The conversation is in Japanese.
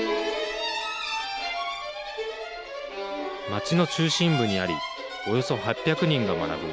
街の中心部にありおよそ８００人が学ぶ